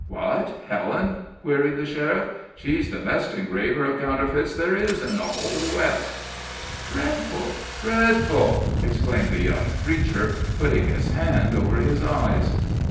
"What, Helen?" queried the sheriff. "She's the best engraver of counterfeits there is in the whole West." "Dreadful dreadful!" exclaimed the young preacher, putting his hand over his eyes.